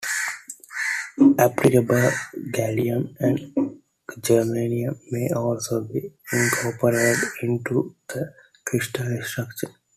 Appreciable gallium and germanium may also be incorporated into the crystal structure.